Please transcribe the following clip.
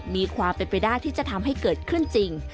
มีความเป็นไปได้ที่จะทำให้เกิดขึ้นจริง